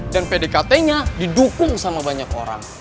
dan pdkt nya didukung sama banyak orang